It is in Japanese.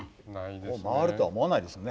こう回るとは思わないですね